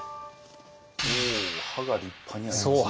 おお歯が立派にありますね。